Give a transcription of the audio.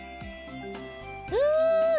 うん！